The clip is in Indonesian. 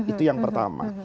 itu yang pertama